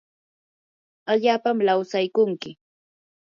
allapam lawsaykunki